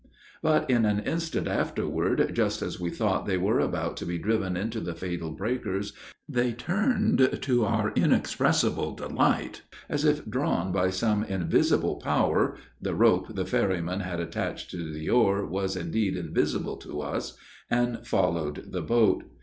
But, in an instant afterward, just as we thought they were about to be driven into the fatal breakers, they turned, to our inexpressible delight, as if drawn by some invisible power (the rope the ferryman had attached to the oar was, indeed, invisible to us,) and followed the boat.